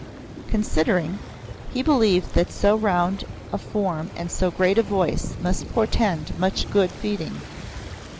Considering, he believed that so round a form and so great a voice must portend much good feeding.